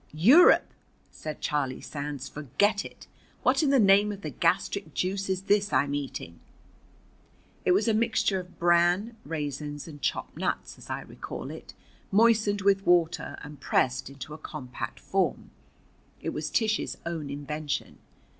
"Europe!" said Charlie Sands. "Forget it! What in the name of the gastric juice is this I'm eating?" It was a mixture of bran, raisins, and chopped nuts, as I recall it, moistened with water and pressed into a compact form. It was Tish's own invention.